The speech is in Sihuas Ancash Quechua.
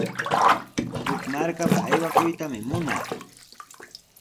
Huk markapa aywakuytami munaa.